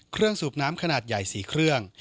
เครื่องสูบน้ำขนาดใหญ่๔เครื่อง